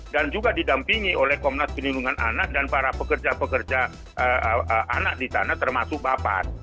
dan juga didampingi oleh komnas pelindungan anak dan para pekerja pekerja anak di sana termasuk bapad